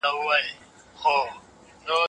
د ښو اړیکو ساتنه د مینې له لارې ممکنه ده.